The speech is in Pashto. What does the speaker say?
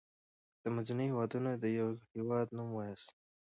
د منځني هيواد دیوه هیواد نوم ووایاست.